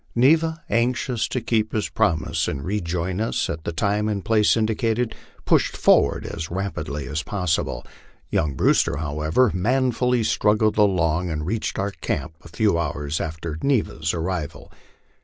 Neva, anxious to keep his promise and rejoin us at the time and place indicated, pushed forward as rapidly as possible. Young Brewster, however, manfully struggled along, and reached our camp a few hours after Neva's arrival.